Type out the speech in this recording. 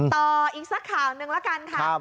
ต่ออีกสักข่าวหนึ่งละกันค่ะ